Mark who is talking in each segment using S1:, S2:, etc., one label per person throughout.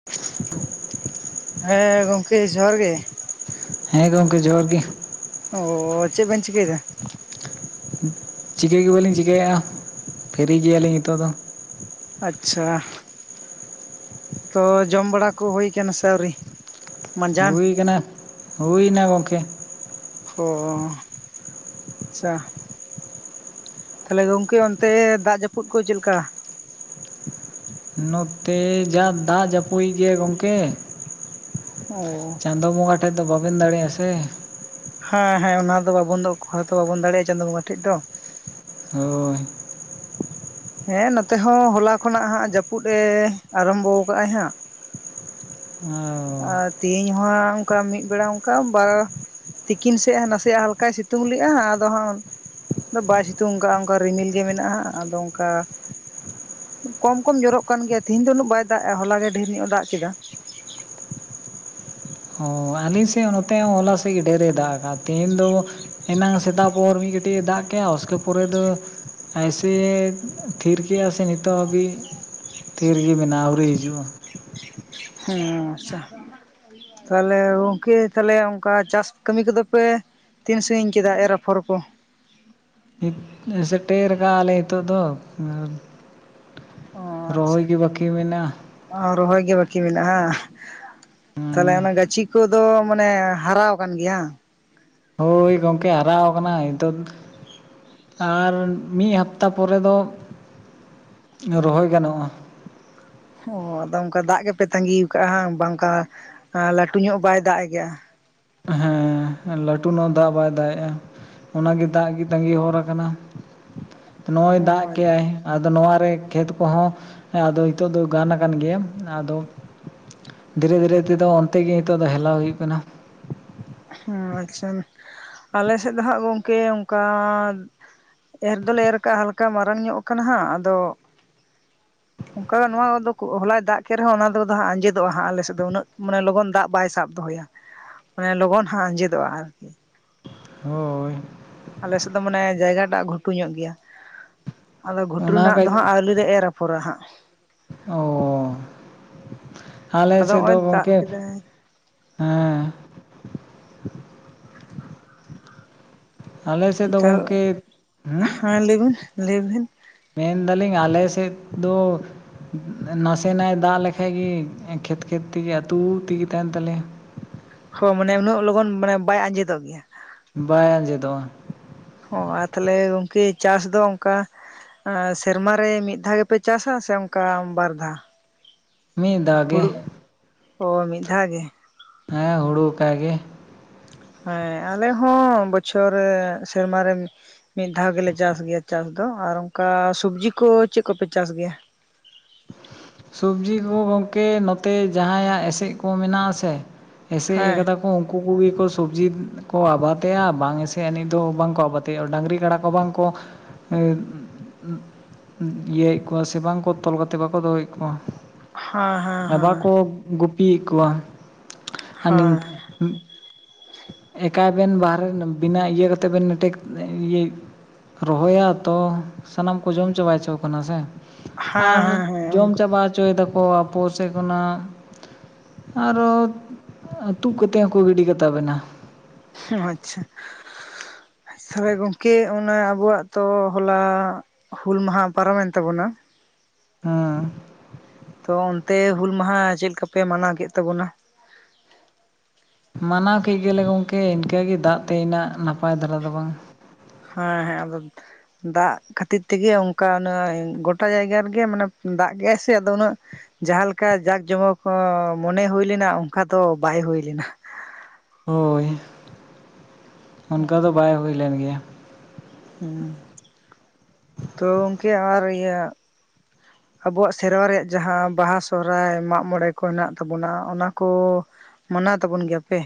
S1: [inaudible]
S2: ᱦᱮ, ᱜᱚᱝᱠᱮ ᱡᱚᱦᱟᱨ ᱜᱮ᱾
S1: ᱦᱮᱸ ᱜᱚᱝᱠᱮ ᱡᱚᱦᱟᱨ ᱜᱮ᱾
S2: ᱚᱻ ᱪᱮᱜ ᱵᱮᱱ ᱪᱤᱠᱟᱹᱭᱮᱫᱟ?
S1: ᱪᱤᱠᱟᱹ ᱜᱮ ᱵᱟᱹᱞᱤᱧ ᱪᱤᱠᱟᱭᱮᱜᱼᱟ ᱯᱷᱨᱤ ᱜᱮᱭᱟᱞᱤᱧ ᱱᱤᱛᱳᱜ ᱫᱚ᱾
S2: ᱟᱪᱪᱷᱟ ᱾ ᱛᱚ ᱡᱚᱢ ᱵᱟᱲᱟ ᱠᱚ ᱦᱩᱭ ᱠᱟᱱᱟ ᱥᱮ ᱟᱹᱣᱨᱤ? ᱢᱟᱸᱡᱟᱱ
S1: ᱦᱩᱭ ᱠᱟᱱᱟ, ᱦᱩᱭᱮᱱᱟ ᱜᱚᱝᱠᱮ᱾
S2: ᱚᱻ ᱟᱪᱪᱷᱟ᱾ ᱛᱟᱦᱚᱞᱮ ᱜᱚᱝᱠᱮ ᱚᱱᱛᱮ ᱫᱟᱜ ᱡᱟᱹᱯᱩᱫ ᱠᱚ ᱪᱮᱫ ᱞᱮᱠᱟ?
S1: ᱱᱚᱛᱮ ᱡᱟ ᱫᱟᱜ ᱡᱟᱹᱯᱩᱭ ᱜᱮᱭᱟ ᱜᱚᱝᱠᱮ᱾
S2: ᱚᱻ
S1: ᱪᱟᱸᱫᱚ ᱵᱚᱸᱜᱟ ᱴᱷᱮᱡ ᱫᱚ ᱵᱟᱵᱮᱱ ᱫᱟᱲᱮᱜᱼᱟ ᱥᱮ᱾
S2: ᱦᱮᱸ ᱦᱮᱸ ᱚᱱᱟ ᱫᱚ ᱵᱟᱵᱚᱱ ᱫᱚ ᱚᱠᱟ ᱫᱚ ᱵᱟᱵᱚᱱ ᱫᱟᱲᱮᱭᱟᱜᱼᱟ ᱪᱟᱸᱫᱳ ᱵᱚᱸᱜᱟ ᱴᱷᱮᱡ ᱫᱚ᱾
S1: ᱦᱳᱭ᱾
S2: ᱦᱮᱸ ᱱᱚᱛᱮ ᱦᱚᱸ ᱦᱚᱞᱟ ᱠᱷᱚᱱᱟᱜ ᱦᱟᱸᱜ ᱡᱟᱹᱯᱩᱱ ᱮ ᱟᱨᱟᱢᱵᱚ ᱟᱠᱼᱟᱭ ᱦᱟᱸᱜ᱾
S1: ᱚᱻ᱾
S2: ᱟᱨ ᱛᱤᱦᱤᱧ ᱦᱚᱸ ᱦᱟᱸᱜ ᱚᱱᱠᱟ ᱢᱤᱫ ᱵᱮᱲᱟ ᱚᱱᱠᱟ ᱵᱟᱨ ᱛᱤᱠᱤᱱ ᱥᱮᱜ ᱱᱟᱥᱮᱭᱟᱜ ᱦᱟᱞᱠᱟᱭ ᱥᱤᱛᱩᱝ ᱞᱮᱜᱼᱟ ᱟᱫᱚ ᱦᱟᱸᱜ ᱚᱱ ᱟᱫᱚ ᱵᱟᱭ ᱥᱤᱛᱩᱝ ᱠᱟᱜ-ᱟ ᱚᱱᱠᱟ ᱨᱤᱢᱤᱞ ᱜᱮ ᱢᱮᱱᱟᱜᱼᱟ ᱟᱫᱚ ᱚᱱᱠᱟ ᱠᱚᱢ ᱠᱚᱢ ᱡᱚᱨᱚᱜ ᱠᱟᱱ ᱜᱮᱭᱟ ᱛᱤᱦᱤᱧ ᱫᱚ ᱩᱱᱟᱹᱜ ᱵᱟᱭ ᱫᱟᱜ ᱮᱼᱟ ᱦᱚᱞᱟ ᱜᱮ ᱰᱷᱮᱨ ᱧᱚᱜ ᱮ ᱫᱟᱜ ᱠᱮᱫᱟ᱾
S1: ᱟᱞᱤᱧ ᱥᱮᱜ ᱱᱚᱛᱮ ᱦᱚᱸ ᱦᱚᱞᱟ ᱥᱮᱜ ᱜᱮ ᱰᱷᱮᱨᱮ ᱫᱟᱜ ᱠᱟᱜ-ᱟ, ᱛᱮᱦᱮᱧ ᱫᱚ ᱮᱱᱟᱝ ᱥᱮᱛᱟᱜ ᱵᱚᱨ ᱢᱤᱫ ᱠᱟᱹᱴᱤᱡ ᱮ ᱫᱟᱜ ᱠᱮᱜᱼᱟ ᱩᱥᱠᱮ ᱯᱚᱨᱮ ᱫᱚ ᱟᱭᱥᱮ ᱛᱷᱤᱨ ᱠᱮᱭᱟ ᱥᱮ ᱱᱤᱛᱚᱜ ᱦᱟᱵᱤᱡ ᱛᱷᱤᱨ ᱜᱮ ᱢᱮᱱᱟᱜᱼᱟ ᱟᱹᱣᱨᱤ ᱦᱤᱡᱩᱜᱼᱟ᱾
S2: ᱦᱩᱸ ᱟᱪᱪᱷᱟ ᱾ ᱛᱟᱦᱚᱞᱮ ᱜᱚᱝᱠᱮ ᱛᱟᱦᱞᱮ ᱚᱝᱠᱟ ᱪᱟᱥ ᱠᱟᱹᱢᱤ ᱠᱚᱫᱚ ᱯᱮ ᱛᱤᱱ ᱥᱟᱺᱜᱤᱧ ᱠᱮᱫᱟ ᱮᱨ ᱟᱯᱷᱚᱨ ᱠᱚ?
S1: ᱥᱮᱴᱮᱨ ᱟᱠᱟ ᱟᱞᱮ ᱦᱤᱛᱳᱜ ᱫᱚ
S2: ᱚ ᱟᱪᱪᱷᱟ
S1: ᱨᱚᱦᱚᱭ ᱜᱮ ᱵᱟᱠᱤ ᱢᱮᱱᱟᱜ-ᱟ᱾
S2: ᱨᱚᱦᱚᱭ ᱜᱮ ᱵᱟᱠᱤ ᱢᱮᱱᱟᱜ ᱟ ᱾ ᱛᱟᱦᱚᱞᱮ ᱚᱱᱟ ᱜᱟᱹᱪᱷᱤ ᱠᱚᱫᱚ ᱢᱟᱱᱮ ᱦᱟᱨᱟᱣ ᱟᱠᱟᱱ ᱜᱮᱭᱟ᱾
S1: ᱦᱳᱭ ᱜᱚᱝᱠᱮ ᱦᱟᱨᱟᱣ ᱟᱠᱟᱱᱟ ᱱᱤᱛᱚᱜ᱾ ᱟᱨ ᱢᱤᱫ ᱦᱟᱯᱛᱟ ᱯᱚᱨᱮ ᱫᱚ ᱨᱚᱦᱚᱭ ᱜᱟᱱᱚᱜᱼᱟ᱾
S2: ᱚ ᱟᱫᱚ ᱚᱱᱠᱟ ᱫᱟᱜ ᱜᱮᱯᱮ ᱛᱟ. ᱜᱤ ᱠᱟᱜᱟ ᱵᱟᱝᱠᱟ ᱞᱟᱹᱴᱩ ᱧᱚᱜ ᱵᱟᱭ ᱫᱟᱜ ᱮᱜᱼᱟ᱾
S1: ᱦᱮᱸ ᱞᱟᱹᱴᱩ ᱱᱚ ᱫᱟᱜ ᱵᱟᱭ ᱫᱟᱜ ᱮᱼᱟ᱾ ᱚᱱᱟᱜᱮ ᱫᱟᱜ ᱜᱮ ᱛᱟᱸᱜᱤ ᱦᱚᱨ ᱟᱠᱟᱱᱟ ᱱᱚᱜᱼᱚᱭ
S2: ᱚ
S1: ᱫᱟᱜ ᱠᱮᱟᱭ᱾ ᱱᱚᱣᱟ ᱨᱮ ᱠᱷᱮᱛ ᱠᱚᱦᱚᱸ ᱱᱤᱛᱚᱜ ᱫᱚ ᱜᱟᱱ ᱟᱠᱟᱱ ᱜᱮᱭᱟ ᱟᱫᱚ ᱫᱷᱤᱨᱮ ᱫᱷᱤᱨᱮ ᱛᱮᱫᱚ ᱚᱱᱛᱮ ᱜᱮ ᱱᱤᱛᱚᱜ ᱫᱚ ᱦᱮᱞᱟᱣ ᱦᱩᱭᱩᱜ ᱠᱟᱱᱟ᱾
S2: ᱦᱩᱸ ᱟᱪᱪᱷᱟ᱾ ᱟᱞᱮ ᱥᱮᱫ ᱫᱚᱦᱟᱸᱜ ᱜᱚᱢᱠᱮ ᱚᱱᱠᱟ ᱮᱨ ᱫᱚᱞᱮ ᱮᱨ ᱠᱟᱜᱼᱟ ᱦᱟᱞᱠᱟ ᱢᱟᱨᱟᱝ ᱧᱚᱜ ᱠᱟᱱᱟ ᱦᱟᱸᱜ ᱟᱫᱚ ᱚᱱᱠᱟ ᱫᱚ ᱱᱚᱣᱟᱫᱚ ᱦᱚᱞᱟᱭ ᱫᱟᱜ ᱠᱮᱫ ᱨᱮᱦᱚᱸ ᱚᱱᱟ ᱫᱚ ᱟᱸᱡᱮᱫᱚᱜᱼᱟ ᱦᱟᱸᱜ ᱟᱞᱮᱥᱮᱫ ᱫᱚ ᱩᱱᱟᱹᱜ ᱢᱟᱱᱮ ᱞᱚᱜᱚᱱ ᱫᱟᱜ ᱵᱟᱭ ᱥᱟᱵ ᱫᱚᱦᱚᱭᱟ᱾ ᱞᱚᱜᱚᱱ ᱦᱟᱸᱜ ᱟᱸᱡᱮᱫᱚᱜᱼᱟ ᱦᱟᱝ
S1: ᱦᱳᱭ
S2: ᱟᱞᱮᱥᱮᱫ ᱫᱚ ᱢᱟᱱᱮ ᱡᱟᱭᱜᱟᱴᱟᱜ ᱜᱷᱩᱴᱩ ᱧᱚᱜ ᱜᱮᱭᱟ ᱟᱫᱚ ᱜᱷᱩᱴᱩ
S1: ᱚᱱᱟ
S2: ᱨᱮᱱᱟᱜ ᱫᱚ
S1: ᱠᱟᱹᱡ
S2: ᱦᱟᱸᱜ ᱟᱣᱨᱤ ᱞᱮ ᱮᱨᱟ ᱯᱚᱨᱟ ᱦᱟᱸᱜ᱾
S1: ᱚ ᱟᱞᱮ
S2: ᱟᱫᱚ
S1: ᱥᱮᱫ ᱫᱚ
S2: ᱱᱚᱜᱼᱚᱭ ᱫᱟᱜ
S1: ᱜᱚᱝᱠᱮ
S2: ᱠᱮᱫᱟᱭ
S1: ᱦᱮᱸ ᱟᱞᱮ ᱥᱮᱫ ᱫᱚ
S2: ᱛᱟᱣ
S1: ᱜᱚᱝᱠᱮ [inaudible] ᱦᱩᱸ
S2: ᱦᱮᱸ ᱞᱟᱹᱭᱵᱤᱱ ᱞᱟᱹᱭᱵᱤᱱ
S1: ᱢᱮᱱᱫᱟᱞᱤᱧ ᱟᱞᱮ ᱥᱮᱫ ᱫᱚ ᱱᱟᱥᱮᱱᱟᱜᱮ ᱫᱟᱜ ᱞᱮᱠᱷᱟᱡ ᱜᱮ ᱠᱷᱮᱛ ᱠᱷᱮᱛ ᱛᱮᱜᱮ ᱟᱹᱛᱩ ᱛᱮᱜᱮ ᱛᱟᱦᱮᱱ ᱛᱟᱞᱮᱭᱟ᱾
S2: ᱦᱩᱸ ᱢᱟᱱᱮ ᱩᱱᱟᱹᱜ ᱞᱚᱜᱚᱱ ᱢᱟᱱᱮ ᱵᱟᱭ ᱟᱸᱡᱮᱫᱚᱜ ᱜᱮᱭᱟ᱾
S1: ᱵᱟᱭ ᱟᱸᱡᱮᱫᱚᱜᱼᱟ᱾
S2: ᱦᱚᱸ ᱟᱨ ᱛᱟᱦᱞᱮ ᱜᱚᱝᱠᱮ ᱪᱟᱥ ᱫᱚ ᱚᱱᱠᱟ ᱥᱮᱨᱢᱟᱟᱨᱮ ᱢᱤᱫ ᱫᱷᱟᱣ ᱜᱮᱯᱮ ᱪᱟᱥᱟ ᱥᱮ ᱚᱱᱠᱟ ᱵᱟᱨ ᱫᱷᱟᱣ
S1: ᱢᱤᱫ ᱫᱷᱟᱣ ᱜᱮ
S2: ᱦᱩᱲᱳ ᱦᱚᱸ ᱢᱤᱫ ᱫᱷᱟᱣ ᱜᱮ᱾
S1: ᱦᱮᱸ ᱦᱩᱲᱩ ᱟᱠᱟ ᱜᱤ᱾
S2: ᱦᱮᱸ ᱟᱞᱮ ᱦᱚᱸ ᱵᱚᱪᱷᱚᱨ ᱨᱮ ᱥᱮᱨᱢᱟ ᱨᱮ ᱢᱤᱫ ᱫᱷᱟᱣ ᱜᱮᱞᱮ ᱪᱟᱥ ᱜᱮᱭᱟ ᱪᱟᱥ ᱫᱚ ᱟᱨ ᱚᱱᱠᱟ ᱥᱚᱵᱡᱤ ᱠᱚ ᱪᱮᱫ ᱠᱚᱯᱮ ᱪᱟᱥ ᱜᱮᱭᱟ?
S1: ᱥᱚᱵᱡᱤ ᱠᱚ ᱜᱚᱢᱠᱮ ᱱᱚᱛᱮ ᱡᱟᱦᱟᱸᱭᱟᱜ ᱮᱥᱮᱫ ᱠᱚ ᱢᱮᱱᱟᱜ ᱟᱥᱮ ᱮᱥᱮᱫ
S2: ᱦᱮᱸ
S1: ᱟᱠᱟᱫᱟ ᱠᱚ ᱩᱱᱠᱩ ᱠᱚᱜᱮ ᱠᱚ ᱥᱚᱵᱡᱤ ᱠᱚ ᱟᱵᱚᱣᱟ ᱛᱮ ᱵᱟᱝ ᱮᱥᱮᱫ ᱟᱹᱱᱤᱡ ᱫᱚ ᱵᱟᱝᱠᱚ ᱟᱵᱟᱫᱼᱟ ᱰᱟᱹᱟᱝᱨᱤ ᱠᱟᱰᱟ ᱠᱚ ᱵᱟᱝᱠᱚ [unintelligible] ᱤᱭᱟᱹᱭᱮᱫ ᱠᱚᱣᱟ ᱥᱮ ᱵᱟᱝ ᱠᱚ ᱛᱚᱞ ᱠᱟ ᱛᱮ ᱵᱟᱠᱚ ᱫᱚᱦᱚᱭᱮᱫ ᱠᱚᱣᱟ
S2: ᱦᱮᱸ ᱦᱮᱸ
S1: ᱵᱟᱠᱚ ᱜᱩᱯᱤᱭᱮᱫ ᱠᱚᱣᱟ᱾
S2: ᱦᱮᱸ
S1: [unintelligible] ᱮᱠᱟᱭ ᱵᱮᱱ ᱵᱟᱦᱨᱮ ᱵᱮᱱᱟᱹ ᱤᱭᱟᱹ ᱠᱟᱛᱮᱫ ᱵᱮᱱ ᱱᱟᱴᱮᱡ ᱤᱭᱟᱹ ᱨᱚᱦᱚᱭᱟ ᱛᱚ ᱥᱟᱱᱟᱢ ᱠᱚ ᱡᱚᱢ ᱪᱟᱵᱟᱭᱪᱚ ᱠᱟᱱᱟ ᱥᱮ
S2: ᱦᱮᱸ ᱦᱮᱸ ᱦᱮᱸ
S1: ᱪᱟᱵᱟᱪᱚᱭ ᱫᱟᱠᱚ ᱟᱯᱚ ᱥᱮᱫ ᱠᱷᱚᱱᱟᱜ ᱟᱨᱚ ᱦᱚᱸ ᱛᱩᱫ ᱠᱟᱛᱮ ᱦᱚᱸ ᱠᱚ ᱜᱤᱰᱤ ᱠᱟᱛᱟ ᱵᱮᱱᱟ᱾
S2: ᱟᱪᱪᱷᱟ ᱛᱟᱦᱚᱞᱮ ᱜᱚᱝᱠᱮ ᱚᱱᱟ ᱟᱵᱚᱣᱟᱜ ᱛᱚ ᱦᱚᱞᱟ ᱦᱩᱞ ᱢᱟᱦᱟ ᱯᱟᱨᱚᱢᱮᱱ ᱛᱟᱵᱚᱱᱟ᱾
S1: ᱦᱮᱸ
S2: ᱛᱚ ᱚᱱᱛᱮ ᱦᱩᱞ ᱢᱟᱦᱟ ᱪᱮᱫ ᱞᱮᱠᱟᱯᱮ ᱢᱟᱱᱟᱣ ᱠᱮᱫ ᱛᱟᱵᱚᱱᱟ᱾
S1: ᱢᱟᱱᱟᱣ ᱠᱮᱫ ᱜᱮᱭᱟ ᱞᱮ ᱜᱚᱝᱠᱮ ᱤᱱᱠᱟᱹᱜᱮ ᱫᱟᱜ ᱛᱮ ᱤᱱᱟᱹᱜ ᱱᱟᱯᱟᱭ ᱫᱷᱟᱨᱟ ᱫᱚ ᱵᱟᱝ
S2: ᱦᱮᱸᱻᱦᱮᱸ ᱟᱫᱚ ᱫᱟᱜ ᱠᱷᱟᱹᱛᱤᱨ ᱛᱮᱜᱮ ᱚᱱᱠᱟ ᱩᱱᱟᱹᱜ ᱜᱚᱴᱟ ᱡᱟᱭᱜᱟ ᱨᱮᱜᱮ ᱢᱟᱱᱮ ᱫᱟᱜ ᱠᱮᱜᱟᱭ ᱥᱮ ᱟᱫᱚ ᱩᱱᱟᱹᱜ ᱡᱟᱦᱟᱸ ᱞᱮᱠᱟ ᱡᱟᱸᱠ ᱡᱚᱢᱚᱠ ᱦᱚᱸ ᱢᱚᱱᱮ ᱦᱩᱭ ᱞᱮᱱᱟ ᱚᱱᱠᱟ ᱫᱚ ᱵᱟᱭ ᱦᱩᱭ ᱞᱮᱱᱟ᱾
S1: ᱦᱳᱭ ᱚᱱᱠᱟ ᱫᱚ ᱵᱟᱭ ᱦᱩᱭᱞᱱ ᱜᱮᱭᱟ᱾
S2: ᱦᱩᱸ ᱛᱚ ᱜᱚᱝᱠᱮ ᱟᱨ ᱤᱭᱟᱹ ᱟᱵᱚᱣᱟᱜ ᱥᱮᱨᱣᱟ ᱨᱮᱭᱟᱜ ᱡᱟᱦᱟᱸ ᱵᱟᱦᱟ ᱥᱚᱦᱨᱟᱭ ᱢᱟᱜ ᱢᱚᱬᱮ ᱠᱚ ᱦᱮᱱᱟᱜ ᱛᱟᱵᱚᱱᱟ ᱚᱱᱟ ᱠᱚ ᱢᱟᱱᱟᱣ ᱛᱟᱵᱚᱱ ᱜᱮᱭᱟ ᱯᱮ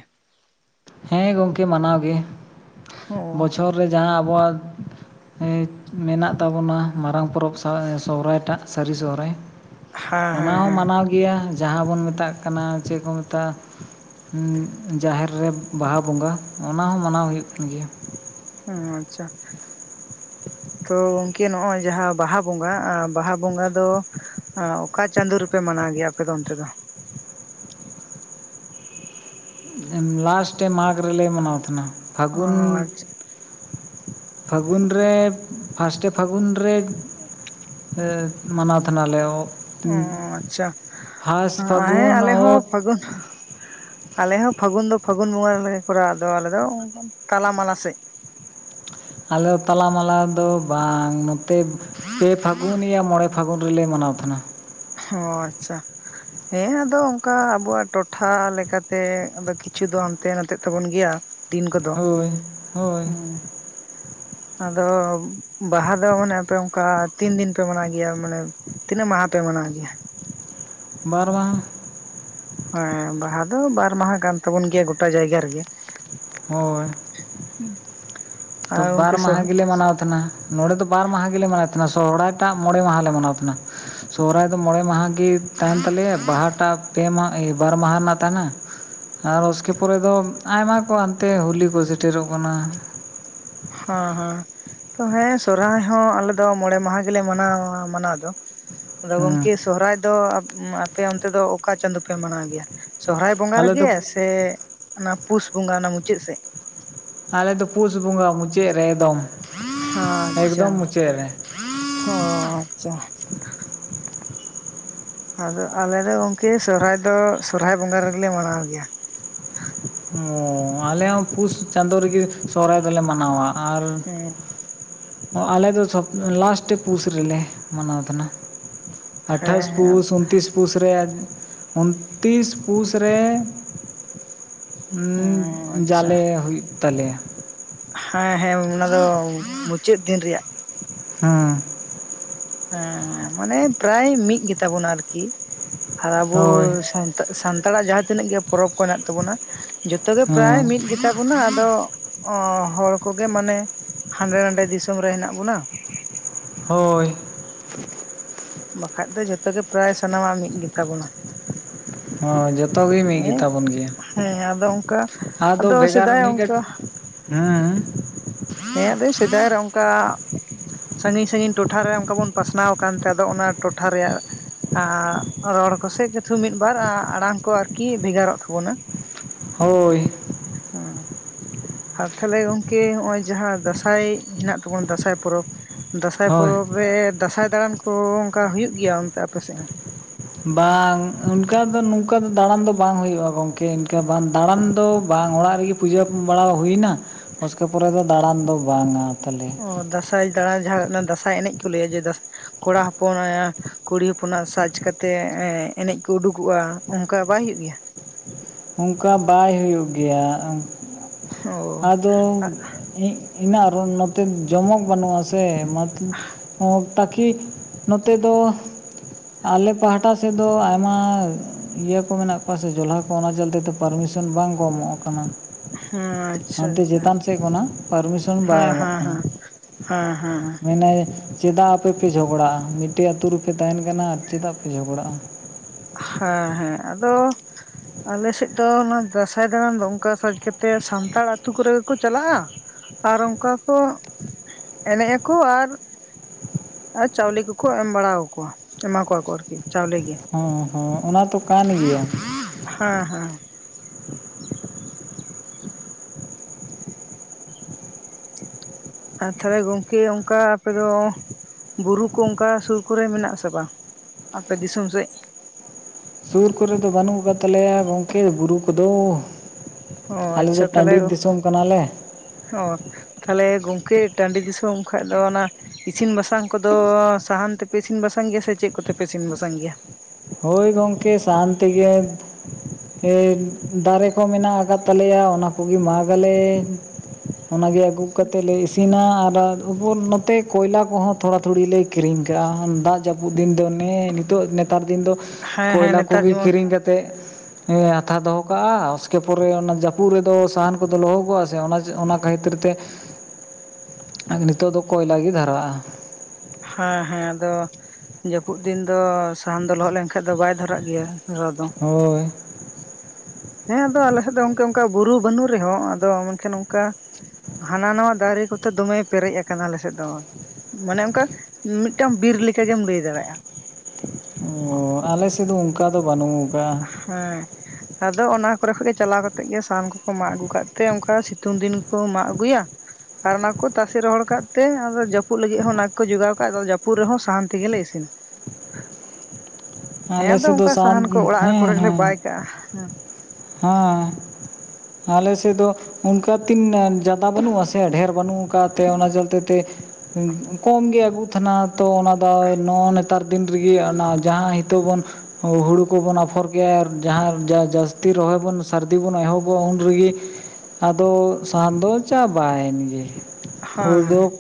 S1: ᱦᱮᱸ ᱜᱚᱢᱠᱮ ᱢᱟᱱᱟᱣ ᱜᱮᱮ
S2: ᱚ
S1: ᱵᱚᱪᱷᱚᱨ ᱨᱮ ᱡᱟᱦᱟᱸ ᱟᱵᱚᱣᱟᱜ ᱢᱮᱱᱟᱜ ᱛᱟᱵᱚᱱᱟ ᱢᱟᱨᱟᱝ ᱯᱚᱨᱚᱵᱽ ᱥᱟᱶ ᱥᱚᱦᱨᱟᱭᱴᱟᱜ ᱥᱟᱹᱨᱤ ᱥᱚᱦᱨᱟᱭ
S2: ᱦᱮᱸ
S1: ᱚᱱᱟ
S2: ᱦᱮᱸ
S1: ᱦᱚᱸ
S2: ᱦᱮᱸ
S1: ᱢᱟᱱᱟᱣ ᱜᱮ ᱜᱮᱭᱟ ᱡᱟᱦᱟᱸ ᱵᱚᱱ ᱢᱮᱛᱟᱜ ᱠᱟᱱᱟ ᱪᱮᱫ ᱠᱚ ᱢᱮᱛᱟᱜᱼᱟ ᱡᱟᱦᱮᱨ ᱨᱮ ᱵᱟᱦᱟ ᱵᱚᱸᱜᱟ ᱚᱱᱟ ᱦᱚᱸ ᱢᱟᱱᱟᱣ ᱦᱩᱭᱩᱜ ᱠᱟᱱ ᱜᱮᱭᱟ᱾
S2: ᱦᱮᱸ ᱟᱪᱷᱟ ᱛᱚ ᱜᱚᱝᱠᱮ ᱱᱚᱜᱼᱚᱭ ᱡᱟᱦᱟᱸ ᱵᱟᱦᱟ ᱵᱚᱸᱜᱟ-ᱵᱟᱦᱟ ᱵᱚᱸᱜᱟ ᱫᱚ ᱚᱠᱟ ᱪᱟᱸᱫᱳ ᱨᱮᱯᱮ ᱢᱟᱱᱟᱣ ᱜᱮᱭᱟ ᱟᱯᱮ ᱫᱚ ᱚᱱᱛᱮ ᱫᱚ?
S1: ᱞᱟᱥᱴᱮ ᱢᱟᱜᱽ ᱨᱮᱞᱮ ᱢᱟᱱᱟᱣ ᱛᱟᱦᱮᱱᱟ
S2: ᱚ
S1: ᱯᱷᱟᱹᱜᱩᱱ
S2: ᱟᱪᱪᱷᱟ
S1: ᱯᱷᱟᱹᱜᱩᱱ ᱨᱮ ᱯᱷᱟᱥᱴᱮ ᱯᱷᱟᱹᱜᱩᱱ ᱨᱮ ᱢᱟᱱᱟᱣ ᱛᱟᱦᱮᱱᱟᱞᱮ
S2: ᱚ ᱟᱪᱷᱟ
S1: ᱯᱷᱟᱥᱴ
S2: ᱦᱮᱸ
S1: ᱯᱷᱟᱹᱜᱩᱱ
S2: ᱟᱞᱮ ᱦᱚᱸ
S1: ᱚᱛ
S2: ᱯᱷᱟᱹᱜᱩᱱ ᱟᱞᱮ ᱦᱚᱸ ᱯᱷᱟᱹᱜᱩᱱ ᱫᱚ ᱯᱷᱟᱹᱜᱩᱱ ᱵᱚᱸᱜᱟ ᱨᱮ ᱠᱚᱨᱟᱣᱟ ᱟᱫᱚ ᱟᱞᱮ ᱫᱚ ᱛᱟᱞᱟ-ᱢᱟᱞᱟ ᱥᱮᱫ
S1: ᱟᱞᱮ ᱫᱚ ᱛᱟᱞᱟᱢᱟᱞᱟ ᱫᱚ ᱵᱟᱝ ᱱᱚᱛᱮ ᱯᱮ ᱯᱷᱟᱹᱜᱩᱱ ᱭᱟ ᱢᱚᱬᱮ ᱯᱷᱟᱹᱜᱩᱱ ᱨᱮᱞᱮ ᱢᱟᱱᱟᱣ ᱛᱟᱦᱮᱱᱟ᱾
S2: ᱦᱚᱸ ᱟᱪᱷᱟ ᱦᱮᱸ ᱟᱫᱚ ᱚᱱᱠᱟ ᱟᱵᱚᱣᱟᱜ ᱴᱚᱴᱷᱟ ᱞᱮᱠᱟᱛᱮ ᱠᱤᱪᱷᱩ ᱫᱚ ᱦᱟᱱᱛᱮ- ᱱᱟᱛᱮ ᱛᱟᱵᱚᱱ ᱜᱮᱭᱟ᱾ ᱫᱤᱱ ᱠᱚᱫᱚ
S1: ᱦᱳᱭ ᱦᱳᱭ
S2: ᱟᱫᱚ ᱵᱟᱦᱟ ᱫᱚ ᱢᱟᱱᱮ ᱟᱯᱮ ᱚᱱᱠᱟ ᱛᱤᱱ ᱫᱤᱱ ᱯᱮ ᱢᱟᱱᱟ ᱜᱮᱭᱟ ᱢᱟᱱᱮ ᱛᱤᱱᱟᱹᱜ ᱢᱟᱦᱟ ᱯᱮ ᱢᱟᱱᱟᱣ ᱜᱮᱭᱟ?
S1: ᱵᱟᱨ ᱵᱟᱝ
S2: ᱦᱮᱸ ᱵᱟᱦᱟ ᱫᱚ ᱵᱟᱨ ᱢᱟᱦᱟ ᱠᱟᱱ ᱛᱟᱵᱚᱱ ᱜᱮᱭᱟ ᱜᱚᱴᱟ ᱡᱟᱭᱜᱟ ᱨᱮᱜᱮ
S1: ᱦᱳᱭ
S2: ᱦᱮᱸ
S1: ᱛᱚ
S2: ᱟᱨ
S1: ᱵᱟᱨ
S2: ᱜᱚᱢᱠᱮ ᱥᱚᱦ
S1: ᱢᱟᱦᱟ ᱜᱮᱞᱮ ᱢᱟᱱᱟᱣ ᱛᱟᱦᱮᱱᱟ᱾ ᱱᱚᱸᱰᱮ ᱫᱚ ᱵᱟᱨ ᱢᱟᱦᱟ ᱜᱮᱞᱮ ᱢᱟᱱᱟᱣᱮᱫ ᱛᱟᱦᱮᱱᱟ ᱥᱚᱦᱨᱟᱭᱴᱟᱜ ᱢᱚᱬᱮ ᱢᱟᱦᱟᱞᱮ ᱢᱟᱱᱟᱣ ᱛᱟᱦᱮᱱᱟ᱾ ᱥᱚᱦᱨᱟᱭ ᱫᱚ ᱢᱚᱬᱮ ᱢᱟᱦᱟ ᱜᱮ ᱛᱟᱦᱮᱱ ᱛᱟᱞᱮᱭᱟ ᱵᱟᱦᱟᱴᱟᱜ ᱯᱮ ᱢᱟᱦ ᱵᱟᱨ ᱢᱟᱦᱟ ᱨᱮᱱᱟᱜ ᱛᱟᱦᱮᱱᱟ᱾ ᱟᱨ ᱩᱥᱠᱮ ᱯᱚᱨᱮ ᱫᱚ ᱟᱭᱢᱟ ᱠᱚ ᱦᱟᱱᱛᱮ ᱦᱳᱞᱤ ᱠᱚ ᱥᱮᱴᱮᱨᱚᱜ ᱠᱟᱱᱟ᱾
S2: ᱦᱚᱸ-ᱦᱚᱸ ᱛᱚ ᱦᱮᱸ ᱥᱚᱨᱦᱟᱭ ᱦᱚᱸ ᱟᱞᱮ ᱫᱚ ᱢᱚᱬᱮ ᱢᱟᱦᱟ ᱜᱮᱞᱮ ᱢᱟᱱᱟᱣᱟ ᱢᱟᱱᱟᱣ ᱫᱚ ᱟᱫᱚ
S1: ᱦᱮᱸ
S2: ᱜᱚᱢᱠᱮ ᱥᱚᱦᱨᱟᱭ ᱫᱚ ᱟᱯᱮ ᱚᱱᱛᱮ ᱫᱚ ᱚᱠᱟ ᱪᱟᱸᱫᱳ ᱯᱮ ᱢᱟᱱᱟᱣ ᱜᱮᱭᱟ? ᱥᱚᱦᱨᱟᱭ ᱵᱚᱸᱜᱟ
S1: ᱟᱞᱮ ᱫᱚ
S2: ᱨᱮᱜᱮ ᱥᱮ ᱚᱱᱟ ᱯᱩᱥ ᱵᱚᱸᱜᱟ ᱚᱱᱟ ᱢᱩᱪᱟᱹᱫ ᱥᱮᱫ
S1: ᱟᱞᱮᱫᱚ ᱯᱩᱥ ᱵᱚᱸᱜᱟ ᱢᱩᱪᱟᱹᱫ ᱨᱮ ᱮᱠᱫᱚᱢ,
S2: ᱟᱪᱪᱷᱟ
S1: ᱮᱠᱫᱚᱢ ᱢᱩᱪᱟᱹᱫ ᱨᱮ
S2: ᱚ ᱟᱪᱷᱟ ᱟᱫᱚ ᱟᱞᱮᱫᱚ ᱜᱚᱝᱠᱮ ᱥᱚᱦᱨᱟᱭ ᱫᱚ ᱥᱚᱦᱨᱟᱭ ᱵᱚᱸᱜᱟ ᱨᱮᱜᱮ ᱢᱟᱱᱟᱣ ᱜᱮᱭᱟ᱾
S1: ᱚ ᱟᱞᱮ ᱦᱚᱸ ᱯᱩᱥ ᱪᱟᱸᱫᱳ ᱨᱮᱜᱮ ᱥᱚᱦᱨᱟᱭ ᱫᱚᱞᱮ ᱢᱟᱱᱟᱣᱟ ᱟᱨ
S2: ᱦᱮᱸ
S1: ᱟᱞᱮ ᱫᱚ ᱞᱟᱥᱴ ᱯᱩᱥ ᱨᱮᱞᱮ ᱢᱟᱱᱟᱣ ᱛᱟᱦᱮᱱᱟ᱾ ᱟᱴᱷᱟᱥ
S2: ᱦᱮᱸ ᱦᱮᱸ
S1: ᱯᱩᱥ, ᱩᱱᱛᱨᱤᱥ ᱯᱩᱥ ᱨᱮ ᱩᱱᱛᱨᱤᱥ ᱯᱩᱥ ᱨᱮ
S2: ᱚ
S1: ᱩᱸ
S2: ᱟᱪᱪᱷᱟ
S1: ᱡᱟᱞᱮ ᱦᱩᱭᱩᱜ ᱛᱟᱞᱮᱭᱟ᱾
S2: ᱦᱮᱸ ᱦᱮᱸ ᱚᱱᱟ ᱫᱚ ᱢᱩᱪᱟᱹᱫ ᱫᱤᱱ ᱨᱮᱭᱟᱜ
S1: ᱦᱩᱸ
S2: ᱦᱮᱸ ᱢᱟᱱᱮ ᱯᱨᱟᱭ ᱢᱤᱫ ᱜᱮ ᱛᱟᱵᱚᱱᱟ ᱟᱨᱠᱤ, ᱟᱵᱚ
S1: ᱦᱳᱭ
S2: ᱥᱟᱱ ᱥᱟᱱᱛᱟᱲᱟᱜ ᱡᱟᱦᱟᱸ ᱛᱤᱱᱟᱹᱜ ᱜᱮ ᱯᱚᱨᱚᱵᱽ ᱠᱚ ᱦᱮᱱᱟᱜ ᱛᱟᱵᱚᱱᱟ ᱡᱚᱛᱚ ᱜᱮ ᱯᱨᱟᱭ
S1: ᱦᱮᱸ
S2: ᱢᱤᱫ ᱜᱮ ᱛᱟᱵᱚᱱᱟ ᱟᱫᱚ ᱦᱚᱲ ᱠᱚᱜᱮ ᱢᱟᱱᱮ ᱦᱟᱸᱰᱮ ᱱᱟᱰᱮ ᱫᱤᱥᱚᱢ ᱨᱮ ᱦᱮᱱᱟᱜ ᱵᱚᱱᱟ᱾
S1: ᱦᱳᱭ᱾
S2: ᱵᱟᱠᱷᱟᱡ ᱫᱚ ᱡᱚᱛᱚ ᱜᱮ ᱯᱨᱟᱭ ᱥᱟᱱᱟᱢᱟᱜ ᱢᱤᱫ ᱜᱮ ᱛᱟᱵᱚᱱᱟ ᱾
S1: ᱚ ᱡᱚᱛᱚ ᱜᱮ ᱢᱤᱫ ᱜᱮ
S2: ᱦᱮᱸ
S1: ᱛᱟᱵᱚᱱ ᱜᱮᱭᱟ,
S2: ᱦᱮᱸ ᱟᱫᱚ ᱚᱱᱠᱟ
S1: ᱟᱫᱚ ᱵᱷᱮᱜᱟᱨ
S2: ᱥᱮᱫᱟᱭ
S1: ᱢᱤᱫ
S2: ᱚᱱᱠᱟ
S1: ᱦᱩᱸ ᱾
S2: ᱦᱮᱸ ᱟᱫᱚ ᱥᱮᱫᱟᱭ ᱨᱮ ᱚᱱᱠᱟ ᱥᱟᱺᱜᱤᱧ ᱥᱟᱺᱜᱤᱧ ᱴᱚᱴᱷᱟ ᱨᱮ ᱚᱱᱠᱟ ᱵᱚᱱ ᱯᱟᱥᱱᱟᱣ ᱟᱠᱟᱱ ᱛᱮ ᱟᱫᱚ ᱚᱱᱟ ᱴᱚᱴᱷᱟ ᱨᱮᱭᱟᱜ ᱨᱚᱲ ᱠᱚ ᱥᱮᱡ ᱠᱪᱷᱩ ᱢᱤᱫᱵᱟᱨ ᱟᱲᱟᱝ ᱠᱚ ᱟᱨᱠᱤ ᱵᱷᱮᱜᱟᱨᱚᱜ ᱛᱟᱵᱚᱱᱟ᱾
S1: ᱦᱳᱭ᱾
S2: ᱦᱩᱸ᱾ ᱟᱨ ᱛᱟᱦᱞᱮ ᱜᱚᱢᱠᱮ ᱱᱚᱜ-ᱚᱭ ᱡᱟᱦᱟᱸ ᱫᱟᱸᱥᱟᱭ ᱦᱮᱱᱟᱜ ᱛᱟᱵᱚᱱ ᱫᱟᱸᱥᱟᱭ ᱯᱚᱨᱚᱵᱽ ᱫᱟᱸᱥᱟᱭ
S1: ᱦᱳᱭ
S2: ᱯᱚᱨᱚᱵᱽ ᱨᱮ ᱫᱟᱸᱥᱟᱭ ᱫᱟᱬᱟᱱ ᱠᱚ ᱚᱱᱠᱟ ᱦᱩᱭᱩᱜ ᱜᱮᱭᱟ ᱚᱱᱛᱮ ᱟᱯᱮ ᱥᱮᱫ ᱦᱚᱸ?
S1: ᱵᱟᱝ ᱚᱱᱠᱟ ᱫᱚ ᱱᱚᱝᱠᱟ ᱫᱚ ᱫᱟᱬᱟᱱ ᱫᱚ ᱵᱟᱝ ᱦᱩᱭᱩᱜᱼᱟ ᱜᱚᱢᱠᱮ, ᱤᱱᱠᱟᱹ ᱵᱟᱝ ᱫᱟᱬᱟᱱ ᱫᱚ ᱵᱟᱝ ᱚᱲᱟᱜ ᱨᱮᱜᱮ ᱯᱩᱡᱟᱹ ᱵᱟᱲᱟ ᱦᱩᱭᱮᱱᱟ, ᱩᱥᱠᱮ ᱯᱚᱨᱮ ᱫᱚ ᱫᱟᱬᱟᱱ ᱫᱚ ᱵᱟᱝᱟ ᱾
S2: ᱚᱸ ᱫᱟᱸᱥᱟᱭ ᱫᱟᱬᱟᱱ ᱡᱟᱦᱟᱸ ᱫᱟᱸᱥᱟᱭ ᱮᱱᱮᱡ ᱠᱚ ᱞᱟᱹᱭᱟ ᱡᱮ ᱠᱚᱲᱟ ᱦᱚᱯᱚᱱ ᱠᱩᱲᱤ ᱦᱚᱯᱚᱱᱟᱜ ᱥᱟᱡᱽ ᱠᱟᱛᱮᱫ ᱮᱸ-ᱮᱱᱮᱡ ᱠᱚ ᱩᱰᱩᱠᱚᱜᱼᱟ, ᱚᱱᱠᱟ ᱵᱟᱭ ᱦᱩᱭᱩᱜ ᱜᱮᱭᱟ?
S1: ᱚᱱᱠᱟ ᱵᱟᱭ ᱦᱩᱭᱩᱜ ᱜᱮᱭᱟ,
S2: ᱚ
S1: ᱟᱫᱚ ᱤᱱᱟᱹᱜ ᱟᱨᱚ ᱱᱚᱛᱮ ᱡᱚᱢᱚᱠ ᱵᱟᱹᱱᱩᱜᱼᱟ ᱥᱮ [unintelligible] ᱛᱟᱠᱤ ᱱᱚᱛᱮ ᱫᱚ ᱟᱞᱮ ᱯᱟᱦᱴᱟ ᱥᱮᱫ ᱫᱚ ᱟᱭᱢᱟ ᱤᱭᱟᱹ ᱠᱚ ᱢᱮᱱᱟᱜ ᱠᱚᱣᱟ ᱥᱮ ᱡᱚᱞᱦᱟ ᱚᱱᱟ ᱪᱚᱞᱛᱮ ᱫᱚ ᱯᱟᱨᱢᱤᱥᱚᱱ ᱵᱟᱝ ᱠᱚ ᱮᱢᱚᱜ ᱠᱟᱱᱟ᱾
S2: ᱦᱮᱸ ᱟᱪᱪᱷᱟ
S1: ᱦᱟᱱᱛᱮ
S2: ᱟᱪᱪᱷᱟ
S1: ᱪᱮᱛᱟᱱ ᱥᱮᱫ ᱠᱷᱚᱱᱟᱜ ᱯᱟᱨᱢᱤᱥᱚᱱ
S2: ᱦᱮᱸ
S1: ᱵᱟᱭ ᱮᱢᱚᱜ
S2: ᱦᱮᱸ
S1: ᱠᱟᱱᱟ᱾
S2: ᱦᱮᱸ ᱦᱮᱸ᱾
S1: [unintelligible] ᱪᱮᱫᱟᱜ ᱟᱯᱮᱯᱮ ᱡᱷᱚᱜᱽᱲᱟᱜᱼᱟ? ᱢᱤᱫᱴᱮᱡ ᱟᱹᱛᱩ ᱨᱮᱯᱮ ᱛᱟᱦᱮᱱ ᱠᱟᱱᱟ ᱟᱨ ᱪᱮᱫᱟᱜ ᱯᱮ ᱡᱷᱚᱜᱲᱟᱜᱼᱟ?
S2: ᱦᱮᱸ ᱦᱮᱸ ᱟᱫᱚ ᱟᱞᱮ ᱥᱮᱫ ᱫᱚ ᱚᱱᱟ ᱫᱟᱸᱥᱟᱭ ᱫᱟᱬᱟᱱ ᱫᱚ ᱚᱱᱠᱟ ᱥᱟᱡᱽ ᱠᱟᱛᱮᱫ ᱥᱟᱱᱛᱟᱲ ᱟᱹᱛᱩ ᱠᱚᱨᱮ ᱜᱮᱠᱚ ᱪᱟᱞᱟᱜᱼᱟ᱾ ᱟᱨ ᱚᱱᱠᱟ ᱠᱚ ᱮᱱᱮᱡ ᱟᱠᱚ ᱟᱨ ᱟᱨ ᱪᱟᱣᱞᱮ ᱠᱚᱠᱚ ᱮᱢ ᱵᱟᱲᱟ ᱟᱠᱚᱣᱟ, ᱮᱢᱟ ᱟᱠᱚᱣᱟ ᱠᱚ ᱟᱨᱠᱤ ᱪᱟᱣᱞᱮ ᱜᱮ᱾
S1: ᱦᱮᱸ ᱦᱮᱸ ᱚᱱᱟ ᱛᱚ ᱠᱟᱱ ᱜᱮᱭᱟ᱾
S2: ᱦᱮᱸ ᱦᱮᱸ᱾ [inaudible] ᱟᱨ ᱛᱟᱦᱚᱞᱮ ᱜᱚᱢᱠᱮ ᱚᱱᱠᱟ ᱟᱯᱮ ᱫᱚ ᱵᱩᱨᱩ ᱠᱚ ᱚᱱᱠᱟ ᱥᱩᱨ ᱠᱚᱨᱮ ᱢᱮᱱᱟᱜ-ᱟ ᱥᱮ ᱵᱟᱝ? ᱟᱯᱮ ᱫᱤᱥᱚᱢ ᱥᱮᱡ?
S1: ᱥᱩᱨ ᱠᱚᱨᱮ ᱫᱚ ᱵᱟᱹᱱᱩᱜ ᱟᱠᱟᱫ ᱛᱟᱞᱮᱭᱟ ᱜᱚᱢᱠᱮ ᱵᱩᱨᱩ ᱠᱚᱫᱚ᱾
S2: ᱚ
S1: ᱟᱞᱮ ᱫᱚ ᱴᱟᱺᱰᱤ ᱫᱤᱥᱚᱢ ᱠᱟᱱᱟ ᱞᱮ ᱾
S2: ᱚᱸ ᱛᱟᱦᱚᱞᱮ ᱜᱚᱢᱠᱮ ᱴᱟᱺᱰᱤ ᱫᱤᱥᱚᱢ ᱠᱷᱟᱡ ᱫᱚ ᱚᱱᱟ ᱤᱥᱤᱱ ᱵᱟᱥᱟᱝ ᱠᱚᱫᱚ ᱥᱟᱦᱟᱱ ᱛᱮᱯᱮ ᱤᱥᱤᱱ ᱵᱟᱥᱟᱝ ᱜᱮᱭᱟ ᱥᱮ ᱪᱮᱫ ᱠᱚᱛᱮ ᱯᱮ ᱤᱥᱤᱱ ᱵᱟᱥᱟᱝ ᱜᱮᱭᱟ?
S1: ᱦᱳᱭ ᱜᱚᱢᱠᱮ ᱥᱟᱦᱟᱱ ᱛᱮᱜᱮ᱾ ᱮᱹᱭ ᱫᱟᱨᱮ ᱠᱚ ᱢᱮᱱᱟᱜ ᱟᱠᱟᱫ ᱛᱟᱞᱮᱭᱟ ᱚᱱᱟ ᱠᱚᱜᱮ ᱢᱟᱜᱽ ᱟᱞᱮ᱾ ᱚᱱᱟ ᱜᱮ ᱟᱹᱜᱩ ᱠᱟᱛᱮᱫ ᱞᱮ ᱤᱥᱤᱱᱟ ᱟᱨ ᱩᱯᱚᱨ ᱱᱚᱛᱮ ᱠᱚᱭᱞᱟ ᱠᱚᱦᱚᱸ ᱛᱷᱚᱲᱟ ᱛᱷᱩᱲᱤ ᱞᱮ ᱠᱤᱨᱤᱧ ᱠᱟᱜᱼᱟ ᱫᱟᱜ ᱡᱟᱹᱯᱩᱫ ᱫᱤᱱ ᱫᱚ ᱱᱮᱜ-ᱮ ᱱᱤᱛᱚᱜ ᱱᱮᱛᱟᱨ ᱫᱤᱱ ᱫᱚ
S2: ᱦᱮᱸ ᱦᱮᱸ
S1: ᱠᱚᱭᱞᱟ
S2: ᱱᱮᱛᱟᱨ
S1: ᱠᱚᱜᱮ
S2: ᱡᱮᱢᱚᱱ
S1: ᱠᱤᱨᱤᱧ ᱠᱟᱛᱮᱫ ᱦᱟᱛᱟᱣ ᱫᱚᱦᱚ ᱠᱟᱜᱼᱟ ᱩᱥᱠᱮ ᱯᱚᱨᱮ ᱚᱱᱟ ᱡᱟᱹᱯᱩᱫ ᱨᱮᱫᱚ ᱥᱟᱦᱟᱱ ᱠᱚᱫᱚ ᱞᱚᱦᱚᱫᱚᱜᱼᱟ ᱥᱮ ᱚᱱᱟ ᱠᱷᱟᱹᱛᱤᱨ ᱛᱮ
S2: [inaudible]
S1: ᱱᱤᱛᱚᱜ ᱫᱚ ᱠᱚᱭᱞᱟ ᱜᱮ ᱫᱷᱟᱨᱟᱜᱼᱟ ᱾
S2: ᱦᱮᱸ ᱦᱮᱸ ᱟᱫᱚ ᱡᱟᱹᱯᱩᱫ ᱫᱤᱱ ᱫᱚ ᱥᱟᱦᱟᱱ ᱫᱚ ᱞᱚᱦᱚᱫ ᱞᱮᱱ ᱠᱷᱟᱡ ᱫᱚ ᱵᱟᱭ ᱫᱷᱚᱨᱟᱜ ᱜᱮᱭᱟ ᱫᱷᱚᱨᱟᱣ ᱫᱚ ᱾
S1: ᱦᱳᱭ ᱾
S2: ᱦᱮᱸ ᱟᱫᱚ ᱟᱞᱮ ᱥᱮᱫ ᱫᱚ ᱚᱱᱠᱟ ᱚᱱᱠᱟ ᱵᱩᱨᱩ ᱵᱟᱹᱱᱩᱜ ᱨᱮᱦᱚᱸ ᱟᱫᱚ ᱢᱮᱱᱠᱷᱟᱱ ᱚᱱᱠᱟ ᱦᱟᱱᱟ ᱱᱟᱣᱟ ᱫᱟᱨᱮ ᱠᱚᱛᱮ ᱫᱚᱢᱮ ᱯᱮᱨᱮᱡ ᱟᱠᱟᱱᱟ ᱟᱞᱮ ᱥᱮᱫ ᱫᱚ ᱾ ᱢᱟᱱᱮ ᱚᱱᱠᱟ ᱢᱤᱫᱴᱟᱝ ᱵᱤᱨ ᱞᱮᱠᱟ ᱜᱮᱢ ᱞᱟᱹᱭ ᱫᱟᱲᱮᱜᱼᱟ ᱾
S1: ᱚᱸ ᱟᱞᱮ ᱥᱮᱫ ᱫᱚ ᱚᱱᱠᱟ ᱫᱚ ᱵᱟᱹᱱᱩᱜ ᱟᱠᱟᱜ-ᱟ ᱾
S2: ᱦᱮᱸ ᱾ ᱟᱫᱚ ᱚᱱᱟ ᱠᱚᱨᱮ ᱠᱷᱚᱱ ᱜᱮ ᱪᱟᱞᱟᱣ ᱠᱟᱛᱮᱫ ᱜᱮ ᱥᱟᱦᱟᱱ ᱠᱚᱠᱚ ᱢᱟᱜ ᱟᱹᱜᱩ ᱠᱟᱜ ᱛᱮ ᱚᱱᱠᱟ ᱥᱤᱛᱩᱝ ᱫᱤᱱ ᱠᱚ ᱢᱟᱜ ᱟᱹᱜᱩᱭᱟ ᱾ ᱟᱨ ᱚᱱᱟ ᱠᱚ ᱛᱟᱥᱮ ᱨᱚᱦᱚᱲ ᱠᱟᱜ ᱛᱮ ᱟᱫᱚ ᱡᱟᱹᱯᱩᱜ ᱞᱟᱹᱜᱤᱫ ᱦᱚᱸ ᱚᱱᱟ ᱠᱚ ᱡᱚᱜᱟᱣ ᱠᱟᱜ-ᱟ ᱟᱫᱚ ᱡᱟᱹᱯᱩᱜ ᱨᱮᱦᱚᱸ ᱥᱟᱦᱟᱱ ᱛᱮᱜᱮ ᱞᱮ ᱤᱥᱤᱱ ᱤᱥᱱᱟ ᱾
S1: ᱟᱞᱮ ᱥᱮᱫ ᱫᱚ ᱥᱟᱦᱟᱱ
S2: ᱚᱲᱟᱜ ᱨᱮ ᱠᱚᱨᱮ
S1: ᱦᱮᱸ
S2: ᱜᱮᱞᱮ
S1: ᱦᱮᱸ
S2: ᱵᱟᱭ ᱠᱟᱜ-ᱟ ᱦᱮᱸ ᱾
S1: ᱦᱮᱸ, ᱟᱞᱮ ᱥᱮᱫ ᱫᱚ ᱚᱱᱠᱟ ᱛᱤᱱ ᱡᱟᱫᱟ ᱵᱟᱹᱱᱩᱜ ᱟᱥᱮ ᱰᱷᱮᱨ ᱵᱟᱹᱱᱩᱜ ᱟᱠᱟᱫ ᱛᱮ ᱚᱱᱟ ᱪᱚᱞᱛᱮ ᱛᱮ ᱠᱚᱢ ᱜᱮ ᱟᱹᱜᱩᱜ ᱛᱟᱦᱮᱱᱟ ᱛᱚ ᱚᱱᱟ ᱫᱚ ᱱᱚ ᱱᱮᱛᱟᱨ ᱫᱤᱱ ᱨᱮᱜᱮ ᱚᱱᱟ ᱡᱟᱦᱟᱸ ᱦᱤᱛᱚᱜ ᱵᱚᱱ ᱦᱩᱲᱩ ᱠᱚᱵᱚᱱ ᱟᱯᱷᱚᱨ ᱠᱮᱭᱟ ᱟᱨ ᱡᱟᱦᱟᱸ ᱡᱟᱹᱥᱛᱤ ᱨᱚᱦᱚᱭ ᱵᱚᱱ ᱥᱟᱹᱨᱫᱤ ᱵᱚᱱ ᱮᱦᱚᱵᱚᱜ-ᱟ ᱩᱱ ᱨᱮᱜᱮ ᱟᱫᱚ ᱥᱟᱦᱟᱱ ᱫᱚ ᱪᱟᱵᱟᱭᱮᱱ ᱜᱮ, ᱦᱩᱲ
S2: ᱦᱮᱸ
S1: ᱫᱚᱠ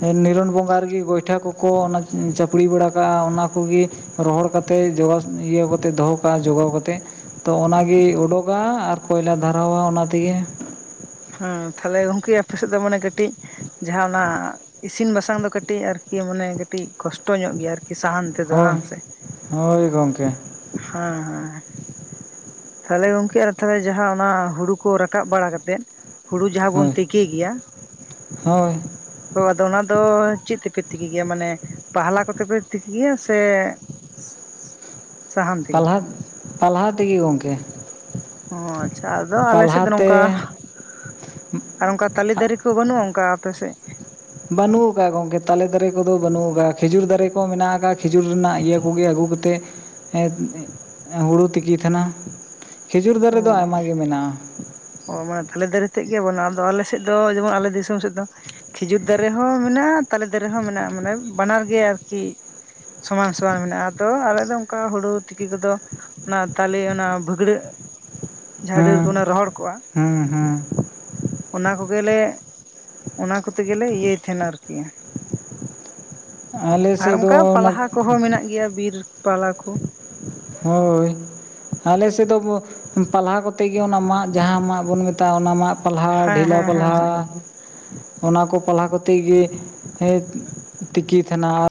S1: ᱱᱤᱨᱚᱱ ᱵᱚᱸᱜᱟ ᱨᱮᱜᱮ ᱜᱚᱭᱴᱷᱟ ᱠᱚᱠᱚ ᱚᱱᱟ ᱪᱟᱯᱲᱤ ᱵᱟᱲᱟ ᱠᱟᱜ-ᱟ ᱚᱱᱟ ᱠᱚᱜᱮ ᱨᱚᱦᱚᱲ ᱠᱟᱛᱮ ᱡᱚᱜ ᱤᱭᱟᱹ ᱠᱟᱛᱮ ᱫᱚᱦᱚ ᱠᱟᱜ-ᱟ ᱡᱚᱜᱟᱣ ᱠᱟᱛᱮ ᱾ ᱛᱚ ᱚᱱᱟ ᱜᱮ ᱚᱰᱚᱠᱟ ᱟᱨ ᱠᱚᱭᱞᱟ ᱫᱷᱟᱨᱟᱣᱟ ᱚᱱᱟ ᱛᱮᱜᱮ ᱾
S2: ᱦᱮᱸ ᱛᱟᱦᱞᱮ ᱜᱚᱝᱠᱮ ᱟᱯᱮ ᱥᱮᱫ ᱫᱚ ᱢᱟᱱᱮ ᱠᱟᱹᱴᱤᱡ ᱡᱟᱦᱟᱸ ᱚᱱᱟ ᱤᱥᱤᱱ ᱵᱟᱥᱟᱝ ᱫᱚ ᱠᱟᱹᱴᱤᱡ ᱟᱨᱠᱤ ᱢᱟᱱᱮ ᱠᱟᱹᱴᱤᱡ ᱠᱚᱥᱴᱚ ᱧᱚᱜ ᱜᱮᱭᱟ ᱟᱨᱠᱤ ᱾ ᱠᱤ ᱥᱟᱦᱟᱱ ᱛᱮᱫᱚ
S1: ᱦᱳᱭ
S2: ᱦᱟᱝ ᱥᱮ?
S1: ᱦᱳᱭ ᱜᱚᱢᱠᱮ
S2: ᱦᱮᱸ ᱦᱮᱸ ᱾ ᱛᱟᱦᱚᱞᱮ ᱜᱚᱝᱠᱮ ᱟᱫᱚ ᱛᱟᱦᱮ ᱡᱟᱦᱟᱸ ᱚᱱᱟ ᱦᱩᱲᱩ ᱠᱚ ᱨᱟᱠᱟᱵ ᱵᱟᱲᱟ ᱠᱟᱛᱮᱫ ᱦᱩᱲᱩ ᱡᱟᱦᱟᱸ ᱵᱚᱱ
S1: ᱦᱳᱭ
S2: ᱛᱤᱠᱤ ᱜᱮᱭᱟ
S1: ᱦᱳᱭ
S2: ᱛᱚ ᱟᱫᱚ ᱚᱱᱟ ᱫᱚ ᱪᱮᱫ ᱛᱮᱯᱮ ᱛᱤᱠᱤ ᱜᱮᱭᱟ ᱢᱟᱱᱮ ᱯᱟᱦᱞᱟ ᱠᱚᱛᱮ ᱯᱮ ᱛᱤᱠᱤ ᱜᱮᱭᱟ ᱥᱮ [inaudible] ᱥᱟᱦᱟᱱ ᱛᱮᱜᱮ
S1: ᱯᱟᱞᱦᱟ ᱯᱟᱞᱦᱟ ᱛᱮᱜᱮ ᱜᱚᱝᱠᱮ ᱾
S2: ᱚᱸ ᱟᱪᱪᱷᱟ, ᱟᱫᱚ ᱟᱞᱮ ᱥᱮᱫ ᱫᱚ ᱱᱚᱝᱠᱟ ᱟᱨ ᱚᱱᱠᱟ ᱛᱟᱞᱮ ᱫᱟᱨᱮ ᱠᱚ ᱵᱟᱹᱱᱩᱜ-ᱟ ᱚᱱᱠᱟ ᱟᱯᱮ ᱥᱮᱫ?
S1: ᱵᱟᱹᱱᱩᱜ ᱟᱠᱟᱜ-ᱟ ᱜᱚᱝᱠᱮ ᱛᱟᱞᱮ ᱫᱟᱨᱮ ᱠᱚᱫᱚ ᱵᱟᱹᱱᱩᱜ ᱟᱠᱟᱜ-ᱟ ᱠᱷᱮᱡᱩᱨ ᱫᱟᱨᱮ ᱠᱚ ᱢᱮᱱᱟᱜ ᱟᱠᱟᱜ-ᱟ ᱠᱷᱮᱡᱩᱨ ᱨᱮᱱᱟᱜ ᱤᱭᱟᱹ ᱠᱚᱜᱮ ᱟᱹᱜᱩ ᱠᱟᱛᱮᱫ ᱮᱸᱫ ᱦᱩᱲᱩ ᱛᱤᱠᱤᱭ ᱛᱟᱦᱮᱱᱟ ᱾ ᱠᱷᱤᱡᱩᱨ ᱫᱟᱨᱮ ᱫᱚ ᱟᱭᱢᱟ ᱜᱮ ᱢᱮᱱᱟᱜ-ᱟ ᱾
S2: ᱚᱸ ᱢᱟᱱᱮ ᱛᱟᱞᱮ ᱫᱟᱨᱮ ᱛᱮᱫ ᱜᱮ ᱵᱟᱹᱱᱩᱜ-ᱟ ᱟᱫᱚ ᱟᱞᱮ ᱥᱮᱫ ᱫᱚ ᱡᱮᱢᱚᱱ ᱟᱞᱮ ᱫᱤᱥᱚᱢ ᱥᱮᱫ ᱫᱚ ᱠᱷᱤᱡᱩᱨ ᱫᱟᱨᱮ ᱦᱚᱸ ᱢᱮᱱᱟᱜ-ᱟ, ᱛᱟᱞᱮ ᱫᱟᱨᱮ ᱦᱚᱸ ᱢᱮᱱᱟᱜ-ᱟ ᱢᱟᱱᱮ ᱵᱟᱱᱟᱨ ᱜᱮ ᱟᱨᱠᱤ ᱥᱚᱢᱟᱱ ᱥᱚᱢᱟᱱ ᱢᱮᱱᱟᱜ-ᱟ, ᱟᱫᱚ ᱟᱞᱮ ᱫᱚ ᱚᱱᱠᱟ ᱦᱩᱲᱩ ᱛᱤᱠᱤ ᱠᱚᱫᱚ ᱚᱱᱟ ᱛᱟᱞᱮ ᱚᱱᱟ ᱵᱟᱹᱜᱲᱟᱹᱜ ᱡᱟᱦᱟᱸ ᱰᱟᱹᱨ ᱠᱚ
S1: ᱦᱮᱸ
S2: ᱨᱚᱦᱚᱲ ᱠᱚᱜᱼᱟ
S1: ᱦᱮᱸ ᱦᱮᱸ
S2: ᱚᱱᱟ ᱠᱚᱜᱮᱞᱮᱼᱼ ᱚᱱᱟ ᱠᱚᱛᱮ ᱜᱮᱞᱮ ᱤᱭᱟᱹᱭ ᱛᱟᱦᱮᱱᱟ ᱟᱨᱠᱤ,
S1: ᱟᱞᱮ
S2: ᱟᱨ
S1: ᱥᱮᱫ ᱫᱚ
S2: ᱚᱱᱠᱟ
S1: ᱚᱱᱟ
S2: ᱯᱟᱞᱦᱟ ᱠᱚᱦᱚᱸ ᱢᱮᱱᱟᱜ ᱜᱮᱭᱟ ᱵᱤᱨ ᱯᱟᱞᱦᱟ ᱠᱚ
S1: ᱦᱳᱭ᱾ ᱟᱞᱮ ᱥᱮᱫ ᱫᱚ ᱯᱟᱞᱦᱟ ᱠᱚᱛᱮ ᱜᱮ ᱚᱱᱟ ᱢᱟᱫ ᱡᱟᱦᱟᱸ ᱢᱟᱫ ᱵᱚᱱ ᱢᱮᱛᱟᱜ-ᱟ ᱚᱱᱟ ᱢᱟᱫᱼᱼ ᱯᱟᱞᱦᱟ
S2: ᱦᱮᱸ
S1: ᱰᱷᱮᱞᱟ
S2: ᱦᱮᱸ ᱦᱮᱸ
S1: ᱯᱟᱞᱦᱟᱼᱼ
S2: ᱦᱮᱸ ᱜᱚᱝᱠᱮ
S1: ᱚᱱᱟ ᱠᱚ ᱯᱟᱞᱦᱟ ᱠᱚᱛᱮ ᱜᱮ ᱛᱤᱠᱤᱭ ᱛᱟᱦᱮᱱᱟ ᱴᱤᱠᱤ, ᱼᱼ